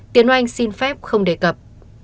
tiến oanh xin phép không đề cập